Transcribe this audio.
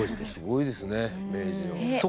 すごいですね明治の。